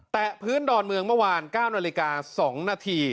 พื้นดอนเมืองเมื่อวาน๙นาฬิกา๒นาที